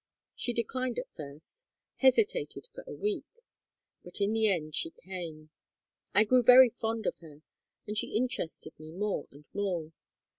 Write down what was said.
She declined at first, hesitated for a week; but in the end she came. I grew very fond of her, and she interested me more and more.